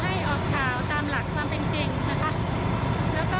ให้ออกข่าวตามหลักความเป็นจริงนะคะ